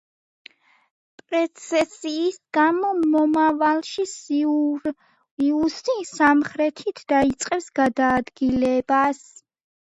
პრეცესიის გამო, მომავალში, სირიუსი სამხრეთით დაიწყებს გადაადგილებას.